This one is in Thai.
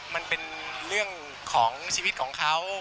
มันเป็นเรื่องของชีวิตของเขา